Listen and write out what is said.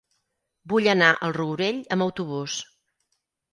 Vull anar al Rourell amb autobús.